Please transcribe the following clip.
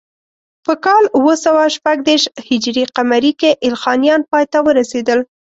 په کال اوه سوه شپږ دېرش هجري قمري کې ایلخانیان پای ته ورسېدل.